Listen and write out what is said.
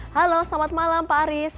halo selamat malam pak aris